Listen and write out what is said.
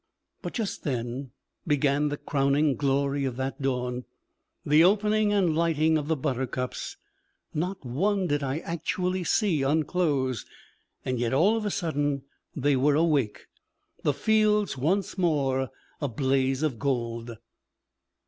But just then began the crowning glory of that dawn the opening and lighting of the buttercups. Not one did I actually see unclose, yet, all of a sudden, they were awake, the fields once more a blaze of gold.